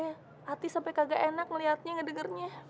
hati sampe kagak enak ngeliatnya ngedegernya